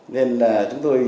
nên chúng tôi